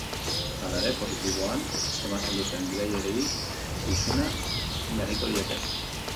Hala ere, positiboan ematen duten gidariei isuna jarriko diete.